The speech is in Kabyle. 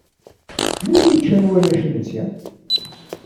Melmi i ččan warrac imensi?